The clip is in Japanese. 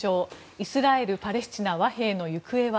イスラエル・パレスチナ和平の行方は。